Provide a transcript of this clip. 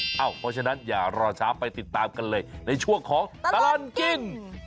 เพราะฉะนั้นอย่ารอช้าไปติดตามกันเลยในช่วงของตลอดกิน